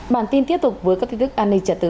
bản tin tiếp tục với các thuyết thức an ninh trả tự